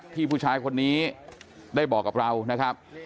ผู้ชายคนนี้ได้บอกกับเรานะครับ